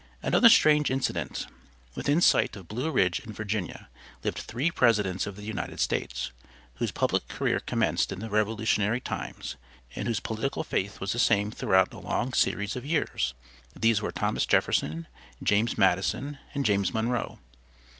Another strange incident: Within sight of Blue Ridge in Virginia, lived three presidents of the United States, whose public career commenced in the revolutionary times and whose political faith was the same throughout a long series of years. These were Thomas Jefferson, James Madison and James Monroe.